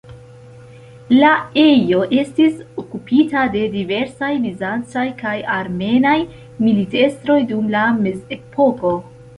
La ejo estis okupita de diversaj bizancaj kaj armenaj militestroj dum la Mezepoko.